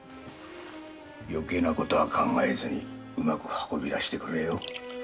よけいなことは考えずにうまく運び出してくれ。